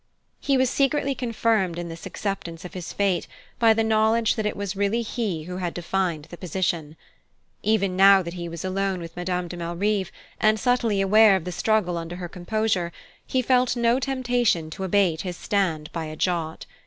He was secretly confirmed in this acceptance of his fate by the knowledge that it was really he who had defined the position. Even now that he was alone with Madame de Malrive, and subtly aware of the struggle under her composure, he felt no temptation to abate his stand by a jot.